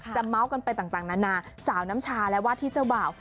เมาส์กันไปต่างนานาสาวน้ำชาและวาดที่เจ้าบ่าว